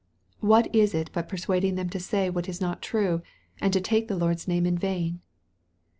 What is it but persuading them to say what is not true, and to take the Lord's name in vain